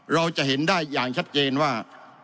เราจะเห็นได้อย่างชัดเจนว่า